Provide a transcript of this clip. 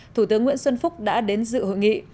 thủ tướng nguyễn xuân phúc đã đến dự hội nghị